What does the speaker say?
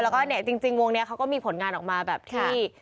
แล้วก็เนี่ยจริงวงนี้เขาก็มีผลงานออกมาแบบที่